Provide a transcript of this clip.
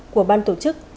của ban tổ chức